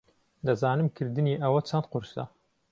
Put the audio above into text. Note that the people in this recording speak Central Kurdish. دەزانم کردنی ئەوە چەند قورسە.